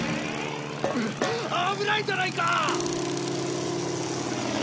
危ないじゃないか！